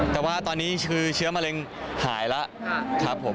แต่ว่าตอนนี้คือเชื้อมะเร็งหายแล้วครับผม